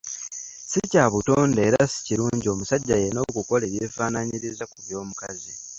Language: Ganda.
Si kya butonde era si kirungi omusajja yenna okukola ebyefaanaanyiriza ku by’omukazi.